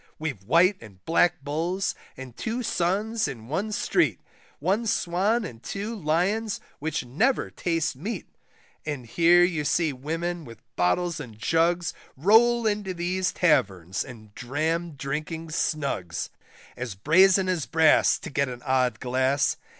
We've White and Black Bulls and two Suns in one street, One Swan and two Lions which never taste meat, And here you see women with bottles and jugs, Roll into these taverns and dram drinking snugs, As brazen as brass to get an odd glass.